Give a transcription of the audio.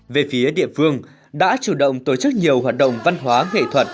về phía địa phương đã chủ động tổ chức nhiều hoạt động văn hóa nghệ thuật